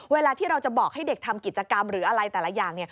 เวลาที่เราจะบอกให้เด็กทำกิจกรรมหรืออะไรแต่ละอย่าง